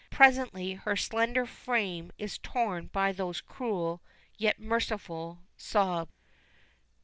Presently her slender frame is torn by those cruel, yet merciful sobs!